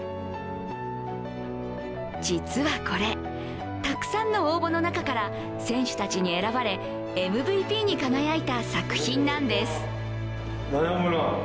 実はこれ、たくさんの応募の中から選手たちに選ばれＭＶＰに輝いた作品なんです。